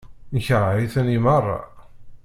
Nekṛeh-iten i meṛṛa.